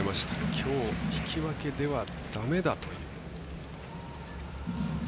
きょう、引き分けではだめだという。